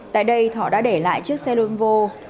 tại đây thọ đã để lại chiếc xe nouveau